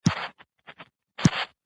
ازادي راډیو د اداري فساد وضعیت انځور کړی.